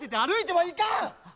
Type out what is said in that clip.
はい。